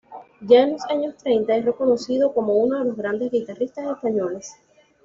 Ya en los años treinta es reconocido como uno de los grandes guitarristas españoles.